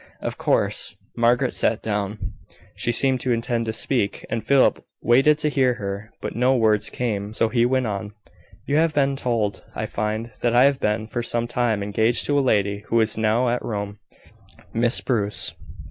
Of course, Margaret sat down. She seemed to intend to speak, and Philip waited to hear her; but no words came, so he went on. "You have been told, I find, that I have been for some time engaged to a lady who is now at Rome Miss Bruce.